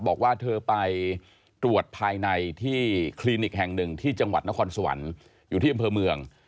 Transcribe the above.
บอกว่าเธอไปตรวจภายในที่คลินิกแห่งหนึ่งที่จังหวัดนครสวรรค์อยู่ที่อำเภอเมือง